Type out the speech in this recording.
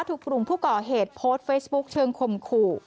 ถูกกลุ่มผู้ก่อเหตุโพสต์เฟซบุ๊คเชิงข่มขู่